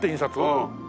うん。